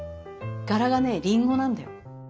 柄がねリンゴなんだよ。